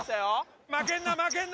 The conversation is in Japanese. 負けんな負けんな！